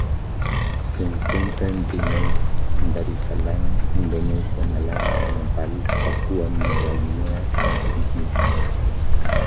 Se encuentra en Brunei Darussalam, Indonesia Malasia, Nepal, Papúa Nueva Guinea y Filipinas.